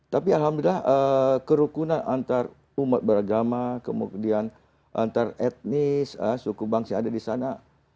tapi alhamdulillah kerukunan antar umat beragama kemudian antar etnis suku bangsa ada di sana